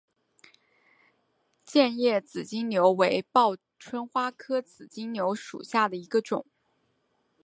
剑叶紫金牛为报春花科紫金牛属下的一个种。